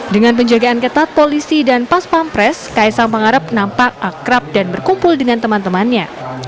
dengan penjagaan ketat polisi dan pas pampres kaisang pangarep nampak akrab dan berkumpul dengan teman temannya